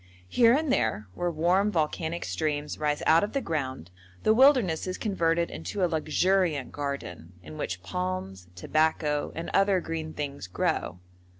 Here and there, where warm volcanic streams rise out of the ground, the wilderness is converted into a luxuriant garden, in which palms, tobacco, and other green things grow.